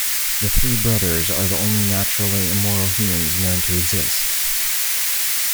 The three brothers are the only naturally immortal humans known to exist.